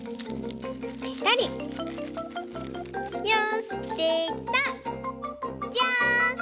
よしできた！じゃん！